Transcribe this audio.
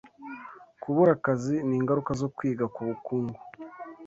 Kubura akazi ningaruka zo kwiga ku bukungu